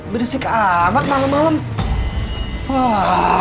bersik amat malam malam ah